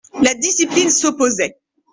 La discipline s'opposait.